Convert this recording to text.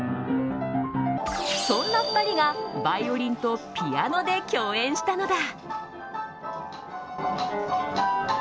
そんな２人が、バイオリンとピアノで共演したのだ。